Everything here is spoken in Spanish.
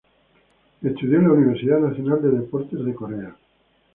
Estudió en la Universidad Nacional de Deporte de Corea.